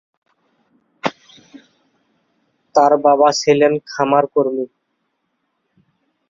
তার বাবা ছিলেন খামারকর্মী।